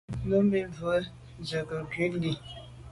Ndɛ̂mbə̄ bū à’ zí’jú jə̂ ngū’ lî.